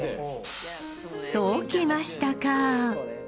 そうきましたか！